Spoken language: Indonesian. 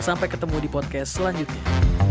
sampai ketemu di podcast selanjutnya